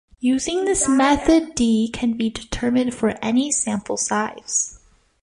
Using this method "D" can be determined for any sample size.